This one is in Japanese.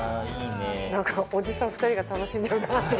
何かおじさん２人が楽しんでる感じ。